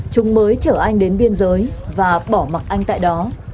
chúng mới chở anh đến biên giới và bỏ mặc anh tại đó